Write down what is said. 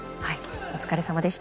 お疲れさまでした。